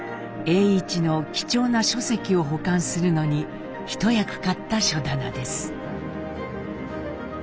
栄一の貴重な書籍を保管するのに一役買った書棚です。